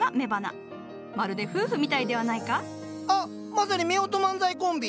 まさに夫婦漫才コンビ？